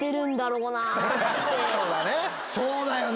そうだね。